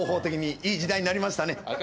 いい時代になりましたね。